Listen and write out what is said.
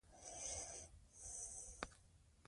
څېړنه ښيي چې د مایکروبیوم بدلون دماغي فعالیت بدلوي.